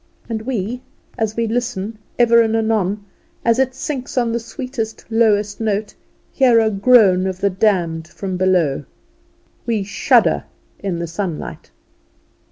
And we, as we listen, ever and anon, as it sinks on the sweetest, lowest note, hear a groan of the damned from below. We shudder in the sunlight.